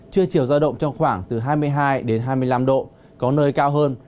chưa chiều ra động trong khoảng từ hai mươi hai đến hai mươi năm độ có nơi cao hơn